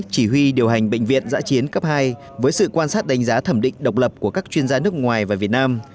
chỉ huy điều hành bệnh viện giã chiến cấp hai với sự quan sát đánh giá thẩm định độc lập của các chuyên gia nước ngoài và việt nam